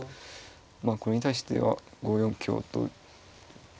まあこれに対しては５四香と打つか。